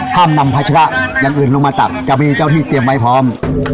ห้ามนำพัชระอย่างอื่นลงมาตัดจะมีเจ้าที่เตรียมไว้พร้อม